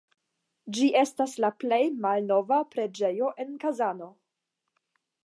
Ĝi estas la plej malnova preĝejo en Kazano.